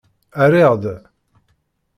Rriɣ-d.